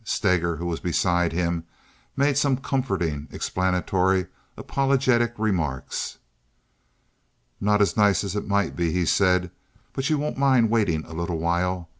Steger, who was beside him, made some comforting, explanatory, apologetic remarks. "Not as nice as it might be," he said, "but you won't mind waiting a little while.